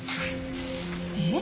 えっ？